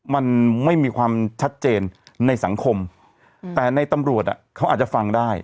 มันไม่มีความชัดเจนในสังคมแต่ในตำรวจอ่ะเขาอาจจะฟังได้